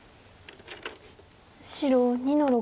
白２の六。